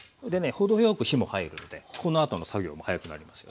程よく火も入るんでこのあとの作業も早くなりますよね。